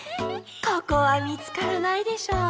ここはみつからないでしょう。